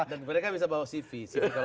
dan mereka bisa bawa cv sih ya kan